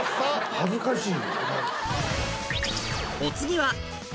恥ずかしい。